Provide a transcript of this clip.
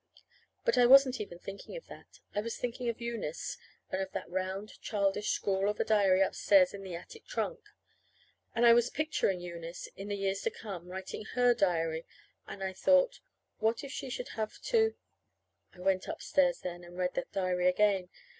But I wasn't even thinking of that. I was thinking of Eunice, and of that round, childish scrawl of a diary upstairs in the attic trunk. And I was picturing Eunice, in the years to come, writing her diary; and I thought, what if she should have to I went upstairs then and read that diary again.